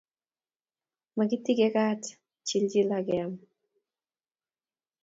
Makitike kaat chichil akeam